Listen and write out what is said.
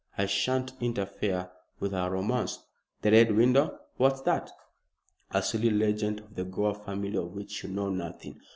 I shan't interfere with her romance." "The Red Window. What's that?" "A silly legend of the Gore family of which you know nothing.